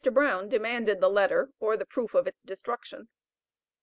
Brown demanded the letter, or the proof of its destruction.